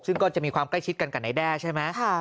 ซึ่งก็จะมีความใกล้ชิดกันกับนายแด้ใช่ไหม